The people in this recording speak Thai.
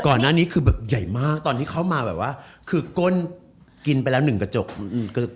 ก่อนอันนี้คือแบบใหญ่มากตอนที่เข้าคือก้นมันกินไปแล้ว๑กระโจก